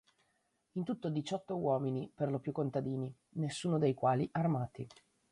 In tutto diciotto uomini, per lo più contadini, nessuno dei quali armati.